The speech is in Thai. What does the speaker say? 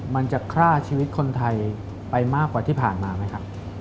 มันจะฆ่าชีวิตคนไทยไปมากกว่าที่ผ่านมาไหมครับ